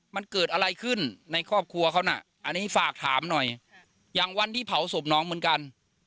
มันเกิดอะไรขึ้นในครอบครัวเขาน่ะอันนี้ฝากถามหน่อยอย่างวันที่เผาศพน้องเหมือนกัน